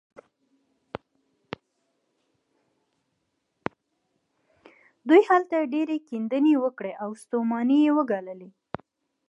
دوی هلته ډېرې کيندنې وکړې او ستومانۍ يې وګاللې.